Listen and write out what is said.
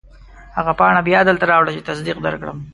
هغه پاڼه بیا دلته راوړه چې تصدیق درکړم.